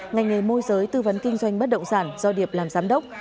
ngành nghề môi giới tư vấn kinh doanh bất động sản do điệp làm giám đốc